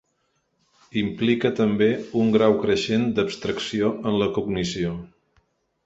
Implica també un grau creixent d'abstracció en la cognició.